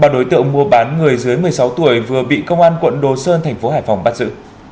ba đối tượng mua bán người dưới một mươi sáu tuổi vừa bị công an quận đồ sơn thành phố hải phòng bắt giữ